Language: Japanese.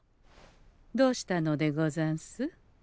どうしたのでござんす？